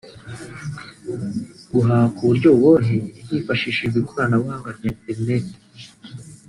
guhaha ku buryo buboroheye hifashishijwe ikoranabuhanga rya internet